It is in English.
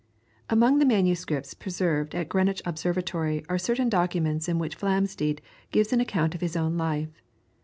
Among the manuscripts preserved at Greenwich Observatory are certain documents in which Flamsteed gives an account of his own life.